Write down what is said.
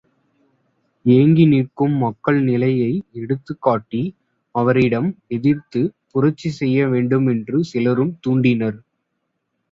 ஏங்கி நிற்கும் மக்கள் நிலையை எடுத்துக் காட்டி அவரிடம் எதிர்த்துப் புரட்சி செய்ய வேண்டும் என்று சிலரும் தூண்டினர்.